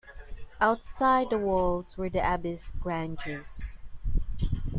Outside the walls were the abbey's granges.